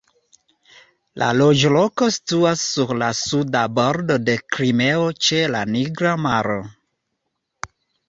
La loĝloko situas sur la Suda Bordo de Krimeo ĉe la Nigra maro.